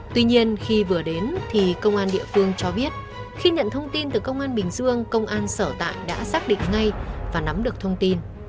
tuy nhiên khi vừa đến thì công an địa phương cho biết khi nhận thông tin từ công an bình dương công an sở tại đã xác định ngay và nắm được thông tin